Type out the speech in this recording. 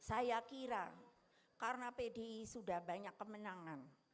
saya kira karena pdi sudah banyak kemenangan